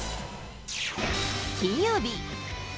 金曜日。